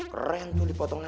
keren tuh dipotongan tuh